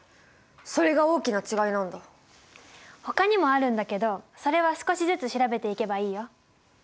ほかにもあるんだけどそれは少しずつ調べていけばいいよ。